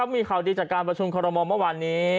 มีข่าวดีจากการประชุมคอรมอลเมื่อวานนี้